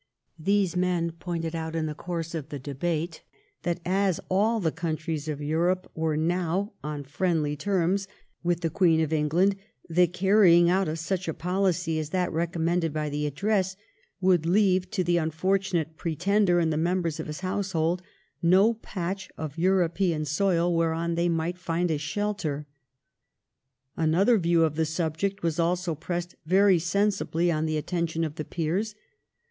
These men pointed out in the course of the debate that, as all the countries of Europe were now on friendly terms with the Queen of England, the carrying out of such a policy as that recom mended by the Address, would leave to the un fortunate Pretender and the members of his house hold no patch of European soil whereon they might find a shelter. Another view of the subject was also pressed very sensibly on the attention of the peers.